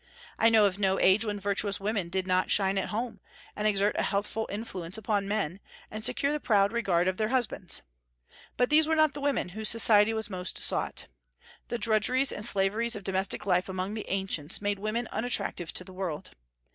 I know of no age when virtuous women did not shine at home, and exert a healthful influence upon men, and secure the proud regard of their husbands. But these were not the women whose society was most sought. The drudgeries and slaveries of domestic life among the ancients made women unattractive to the world.